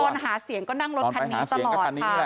ตอนหาเสียงก็นั่งรถคันนี้ตลอดค่ะ